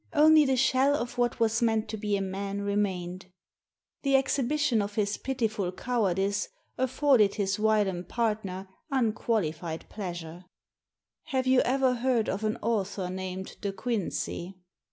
Only the shell of what was meant to be a man remained. The exhibition of his pitiful cowardice afforded his whilom partner unqualified pleasure. "Have you ever heard of an author named De Quincey?